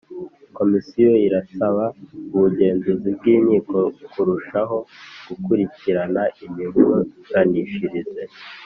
komisiyo irasaba ubugenzuzi bw inkiko kurushaho gukurikirana imiburanishirize